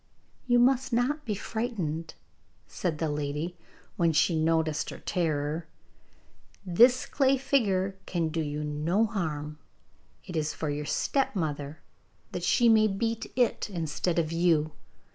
'You must not be frightened,' said the lady, when she noticed her terror; 'this clay figure can do you no harm. It is for your stepmother, that she may beat it instead of you.